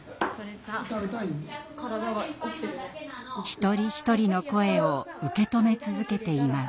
一人一人の声を受け止め続けています。